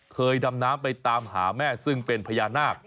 ดำน้ำไปตามหาแม่ซึ่งเป็นพญานาค